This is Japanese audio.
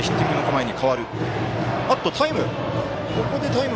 タイム。